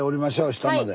下まで。